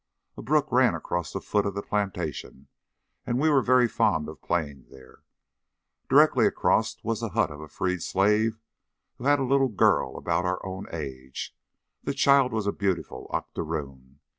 A brook ran across the foot of the plantation, and we were very fond of playing there. Directly across was the hut of a freed slave who had a little girl about our own age. The child was a beautiful octaroon.